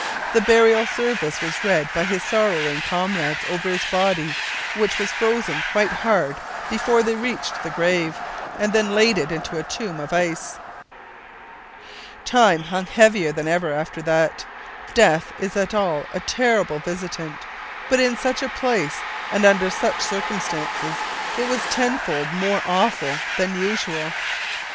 The burial service was read by his sorrowing comrades over his body, which was frozen quite hard before they reached the grave, and then they laid it in a tomb of ice. Time hung heavier than ever after that. Death is at all time a terrible visitant, but in such a place and under such circumstances it was tenfold more awful than usual.